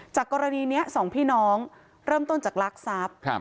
กรณีนี้สองพี่น้องเริ่มต้นจากลักทรัพย์